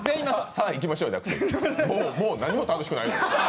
さあいきましょうじゃなくてもう何も楽しくない。